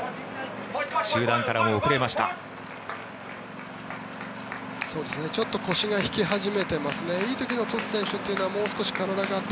集団からも遅れました。